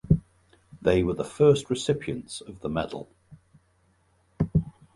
They were the first recipients of the medal.